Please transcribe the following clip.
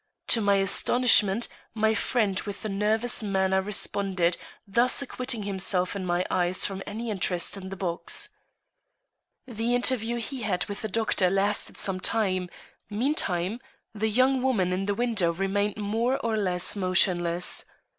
To my astonishment, my friend with the nervous manner responded, thus acquitting himself in my eyes from any interest in the box. The interview he had with the doctor lasted some time; meantime, the young woman in the window remained more or less motionless.